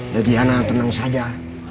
jadi anak tenang saja